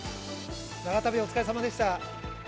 長旅お疲れさまでした。